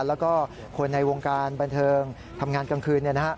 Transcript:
แล้วก็คนในวงการบันเทิงทำงานกลางคืน